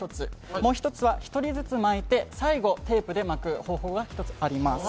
もう１つは１人ずつ巻いて最後テープで巻く方法です。